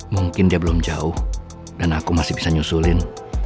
mungkin dia belum jauh dan aku masih bisa nyusulin